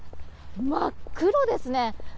真っ黒ですね。